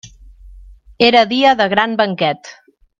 Era dia de gran banquet.